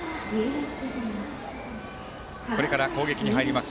これから攻撃に入ります